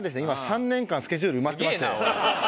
今３年間スケジュール埋まってまして。